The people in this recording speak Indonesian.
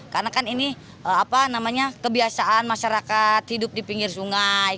karena kan ini kebiasaan masyarakat hidup di pinggir sungai